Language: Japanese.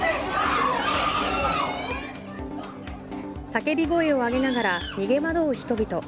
叫び声を上げながら逃げ惑う人々。